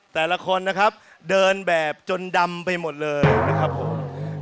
แต่ละคนนะครับเดินแบบจนดำไปหมดเลยนะครับผม